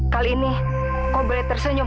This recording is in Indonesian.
kali ini kau boleh tersenyum